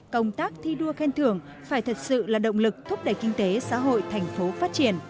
công tác thi đua khen thưởng phải thật sự là động lực thúc đẩy kinh tế xã hội thành phố phát triển